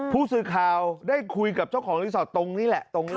ผู้สื่อข่าวได้คุยกับเจ้าของรีสอร์ทตรงนี้แหละ